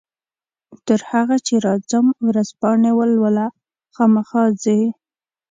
تر هغو چې راځم ورځپاڼې ولوله، خامخا ځې؟